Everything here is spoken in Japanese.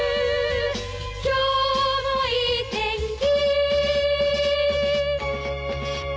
「今日もいい天気」